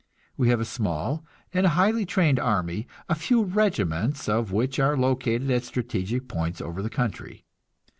We have a small and highly trained army, a few regiments of which are located at strategic points over the country.